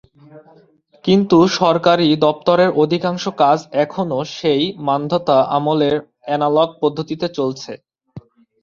কিন্তু সরকারি দপ্তরের অধিকাংশ কাজ এখনো সেই মান্ধাতা আমলের অ্যানালগ পদ্ধতিতে চলছে।